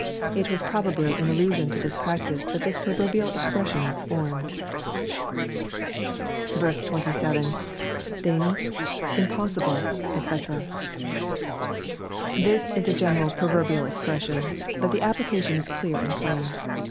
It was probably in allusion to this practice that this proverbial expression was formed." 27, — [Things...impossihlej ^c] This is a general proverbial expres sion. But the application is clear and plain.